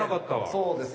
そうです。